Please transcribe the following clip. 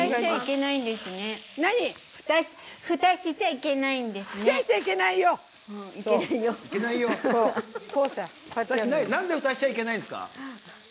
なんでふたしちゃいけないんですか？